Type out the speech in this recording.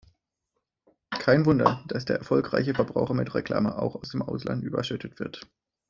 Kein Wunder, dass der erfolgreiche Verbraucher mit Reklame, auch aus dem Ausland, überschüttet wird.